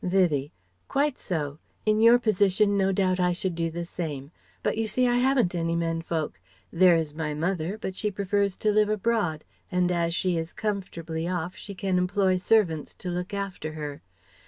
Vivie: "Quite so. In your position no doubt I should do the same; but you see I haven't any menfolk. There is my mother, but she prefers to live abroad, and as she is comfortably off she can employ servants to look after her."